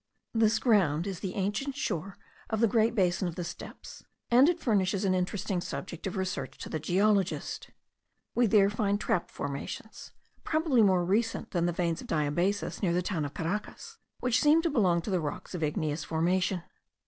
This ground is the ancient shore of the great basin of the steppes, and it furnishes an interesting subject of research to the geologist. We there find trap formations, probably more recent than the veins of diabasis near the town of Caracas, which seem to belong to the rocks of igneous formation.